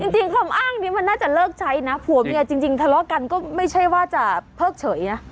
จริงคำอ้างนี้มันน่าจะเลิกใช้นะผัวเมียจริงทะเลาะกันก็ไม่ใช่ว่าจะเพิกเฉยนะ